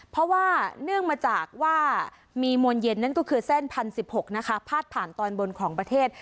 เพราะว่าเนื่องมาจากว่ามีมวลเย็นนั่นก็คือเส้น๑๐๑๖นะคะพาดผ่านตอนบนของประเทศ